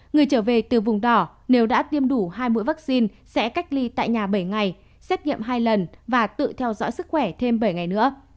người trở về từ vùng đỏ nếu đã tiêm đủ hai mũi vaccine sẽ cách ly tại nhà bảy ngày xét nghiệm hai lần và tự theo dõi sức khỏe thêm bảy ngày nữa